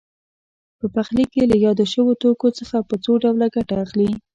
په پخلي کې له یادو شویو توکو څخه په څو ډوله ګټه اخلي.